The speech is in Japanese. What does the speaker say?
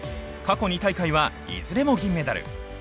過去２大会はいずれも銀メダル。